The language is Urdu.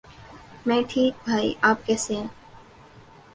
میں ٹھیک بھائی آپ کیسے ہیں؟